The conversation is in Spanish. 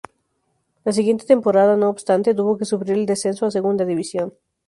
La siguiente temporada, no obstante, tuvo que sufrir el descenso a Segunda División.